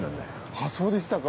あっそうでしたか。